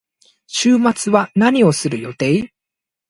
週末は何をする予定？